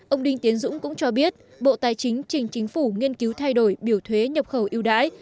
ông đinh tiến dũng cũng cho biết bộ tài chính trình chính phủ nghiên cứu thay đổi biểu thuế nhập khẩu yêu đãi